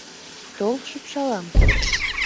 Тол, шупшалам?